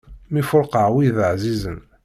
Mi fuṛqeɣ wid ɛzizen.